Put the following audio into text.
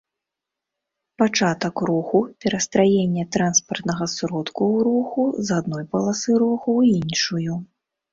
пачатак руху, перастраенне транспартнага сродку ў руху з адной паласы руху ў іншую